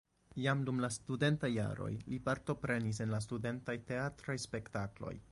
Jam dum la studentaj jaroj li partoprenis en la studentaj teatraj spektakloj.